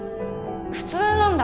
普通なんだ。